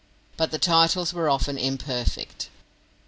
But the titles were often imperfect.